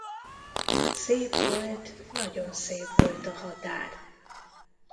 Szép volt, nagyon szép volt a határ!